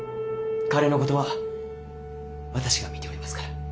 彼のことは私が見ておりますから。